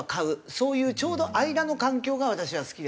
そういうちょうど間の環境が私は好きです。